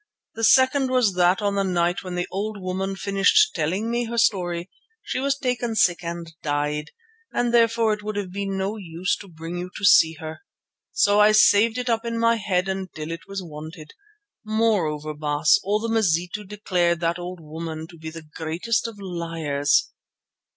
The second was that on the night when the old woman finished telling me her story, she was taken sick and died, and therefore it would have been no use to bring you to see her. So I saved it up in my head until it was wanted. Moreover, Baas, all the Mazitu declared that old woman to be the greatest of liars."